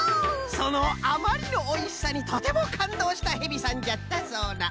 そのあまりのおいしさにとてもかんどうしたヘビさんじゃったそうな。